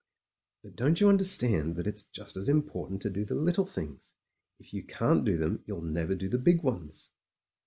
... "But don't you understand that it's just as im portant to do the little things? If you can't do them, you'll never do the big ones."